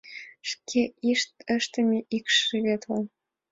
Шке ыштыме икшыветлан